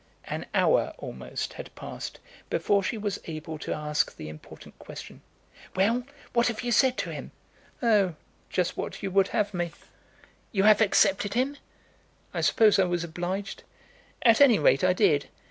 An hour almost had passed before she was able to ask the important question, "Well; what have you said to him?" "Oh; just what you would have me." "You have accepted him?" "I suppose I was obliged. At any rate I did.